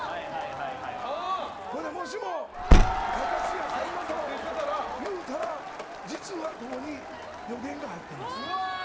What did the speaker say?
もしも明石家さんまさんと言うたら実は、ここに予言が入ってますと。